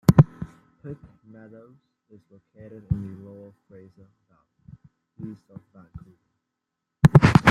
Pitt Meadows is located in the Lower Fraser Valley, east of Vancouver.